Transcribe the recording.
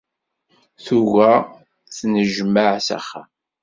Tuga tennejmaε s axxam